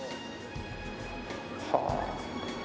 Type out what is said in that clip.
はあ。